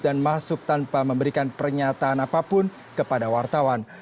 dan masuk tanpa memberikan pernyataan apapun kepada wartawan